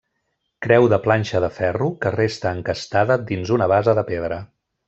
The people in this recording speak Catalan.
Creu de planxa de ferro que resta encastada dins una base de pedra.